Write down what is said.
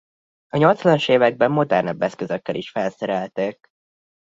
A nyolcvanas években modernebb eszközökkel is felszerelték.